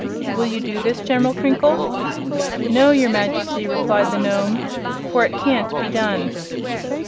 Will you do this, General Crinkle?" "No, your Majesty," replied the Nome; "for it can't be done."